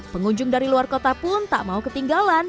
pengunjung dari luar kota pun tak mau ketinggalan